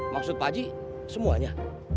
maksud pakji semuanya